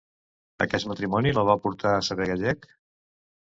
Aquest matrimoni la va portar a saber gallec?